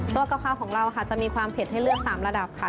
กะเพราของเราค่ะจะมีความเผ็ดให้เลือก๓ระดับค่ะ